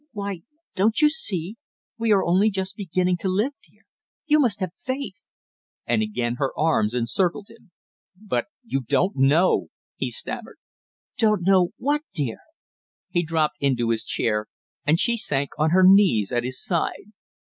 Why, don't you see, we are only just beginning to live, dear you must have faith!" and again her arms encircled him. "But you don't know " he stammered. "Don't know what, dear?" He dropped into his chair, and she sank on her knees at his side.